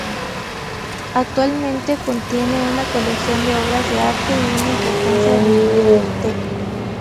Actualmente contiene una colección de obras de arte y una importante biblioteca.